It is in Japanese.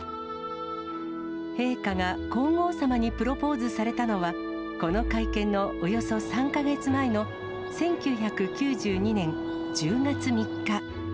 陛下が皇后さまにプロポーズされたのは、この会見のおよそ３か月前の１９９２年１０月３日。